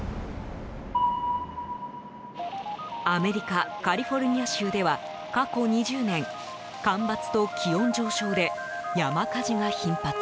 アメリカ・カリフォルニア州では過去２０年干ばつと気温上昇で山火事が頻発。